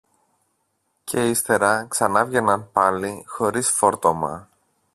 και ύστερα ξανάβγαιναν πάλι χωρίς φόρτωμα